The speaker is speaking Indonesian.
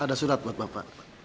ada surat buat bapak